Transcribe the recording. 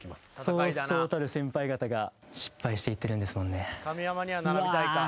そうそうたる先輩方が失敗していってるんですもんね。